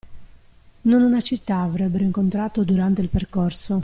Non una città avrebbero incontrato durante il percorso.